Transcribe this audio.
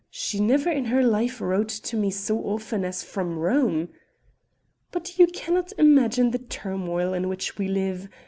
she never in her life wrote to me so often as from Rome" "but you cannot imagine the turmoil in which we live.